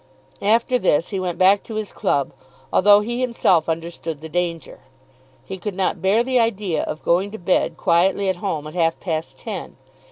After this he went back to his club, although he himself understood the danger. He could not bear the idea of going to bed quietly at home at half past ten.